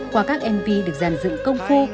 qua các mv được dàn dựng công phu